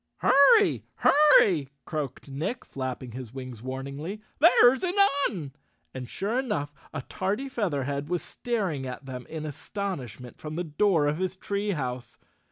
"Hurry! Hurry!" croaked Nick, flapping his wings warningly. "There's an Un." And sure enough, a tardy Featherhead was staring at them in astonish¬ ment from the door of his tree house.